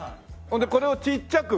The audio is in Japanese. ほんでこれをちっちゃく？